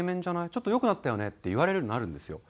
「ちょっと良くなったよね」って言われるようになるんですよ。